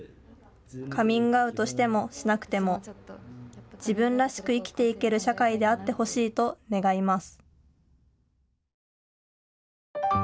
カミングアウトしてもしなくても自分らしく生きていける社会であってほしいと願います。